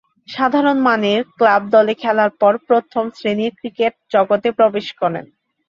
সাধারণ মানের ক্লাব দলে খেলার পর প্রথম-শ্রেণীর ক্রিকেট জগতে প্রবেশ করেন।